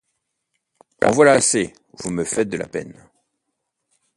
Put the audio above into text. En voilà assez, vous me faites de la peine.